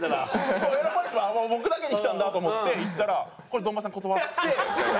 そう選ばれし者僕だけに来たんだと思って行ったら「これ堂前さん断って」みたいな。